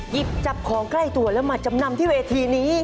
หยิบจับของใกล้ตัวแล้วมาจำนำที่เวทีนี้